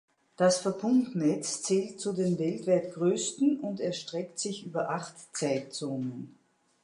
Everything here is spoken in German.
Das Verbundnetz zählt zu den weltweit größten und erstreckt sich über acht Zeitzonen.